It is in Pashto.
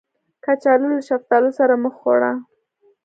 کچالو له شفتالو سره مه خوړه